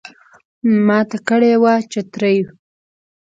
ماته کړي وه چترۍ